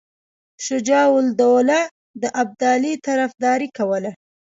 شجاع الدوله د ابدالي طرفداري کوله.